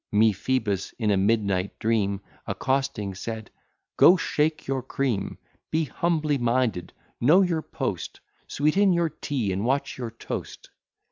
Me Phoebus in a midnight dream Accosting, said, "Go shake your cream Be humbly minded, know your post; Sweeten your tea, and watch your toast.